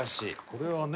これはね